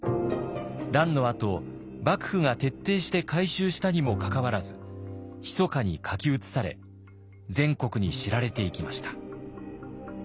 乱のあと幕府が徹底して回収したにもかかわらずひそかに書き写され全国に知られていきました。